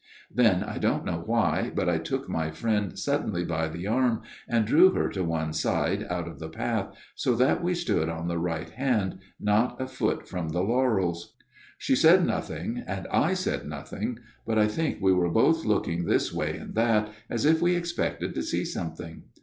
Then I don't know why, but I took my friend suddenly by the arm and drew her to one side out of the path, so that we stood on the right hand, not a foot from the laurels. " She said nothing, and I said nothing ; but I think we were both looking this way and that, as if we expected to see something.